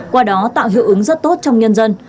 qua đó tạo hiệu ứng rất tốt trong nhân dân